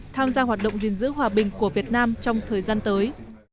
tham gia hoạt động gìn giữ hòa bình của việt nam trong thời gian tới